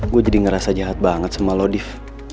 gua jadi ngerasa jahat banget sama lo div